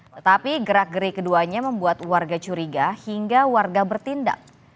tetapi gerak geri keduanya membuat warga curiga hingga warga bertindak